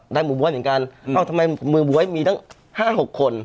ได้มือบ๊วยเหมือนกันอ้าวทำไมมือบ๊วยมีทั้งห้าหกคน